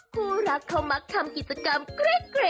คู่รักเขามักทำกิจกรรมเกร็ด